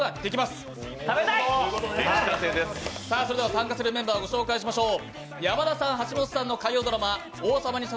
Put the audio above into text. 参加するメンバーをご紹介しましょう。